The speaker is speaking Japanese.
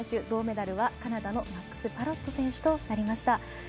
銅メダルはカナダのマックス・パロット選手となりました。